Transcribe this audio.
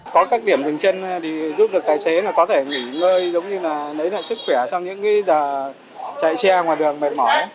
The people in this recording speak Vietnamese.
giống như là lấy lại sức khỏe trong những cái giờ chạy xe ngoài đường mệt mỏi